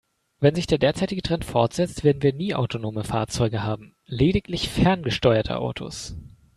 Wenn sich der derzeitige Trend fortsetzt, werden wir nie autonome Fahrzeuge haben, lediglich ferngesteuerte Autos.